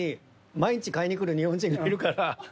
毎日買いに来る日本人がいるから。